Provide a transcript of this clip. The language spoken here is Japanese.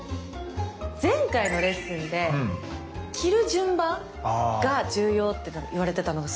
前回のレッスンで切る順番が重要って言われてたのがすごい気になってて。